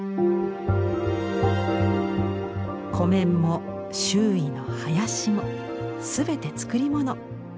湖面も周囲の林も全て作り物。